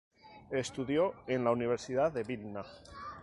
Estudió en la Universidad de Vilna.